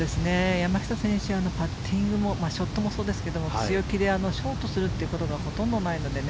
山下選手はパッティングもショットもそうですけど強気でショートするということがほとんどないのでね。